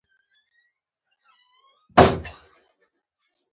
مځکه د شپو ورځو رازونه لري.